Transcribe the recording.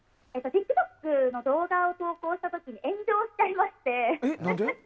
ＴｉｋＴｏｋの動画を投稿した時に炎上しちゃいまして。